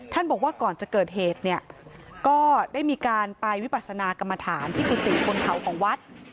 บอกว่าก่อนจะเกิดเหตุเนี่ยก็ได้มีการไปวิปัสนากรรมฐานที่กุฏิบนเขาของวัด